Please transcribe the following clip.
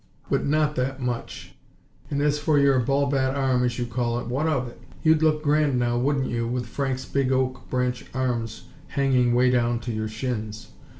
but not that much. And as for your 'ball bat' arm, as you call it, what of it? You'd look grand, now wouldn't you, with Frank's big oak branch arms hanging way down to your shins.